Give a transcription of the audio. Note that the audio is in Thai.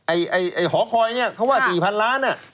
ไอ้หอคอยเนี่ยเขาว่า๔๐๐๐ล้าน